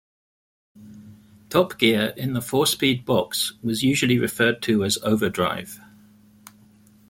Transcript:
Top gear in the four-speed box was usually referred to as overdrive.